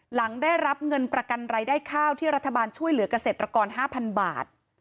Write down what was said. หลังได้รับเงินประกันรายได้ข้าวที่รัฐบาลช่วยเหลือกเกษตรกร๕๐๐บาท